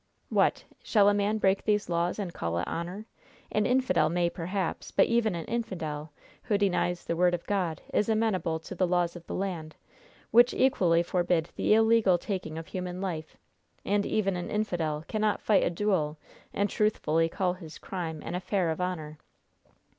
What! shall a man break these laws, and call it honor? An infidel may, perhaps; but even an infidel, who denies the Word of God, is amenable to the laws of the land, which equally forbid the illegal taking of human life; and even an infidel cannot fight a duel and truthfully call his crime 'an affair of honor.'